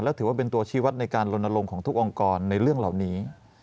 แล้วถือว่าเป็นตัวชีวัตรในการลนลงของทุกองค์กรในเรื่องเหล่านี้